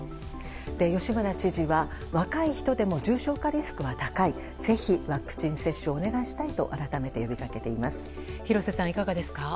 吉村知事は若い人でも重症化リスクは高いぜひワクチン接種をお願いしたいと改めて呼びかけています。